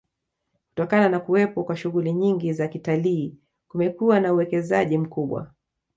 Kutokana na kuwepo kwa shughuli nyingi za kitalii kumekuwa na uwekezaji mkubwa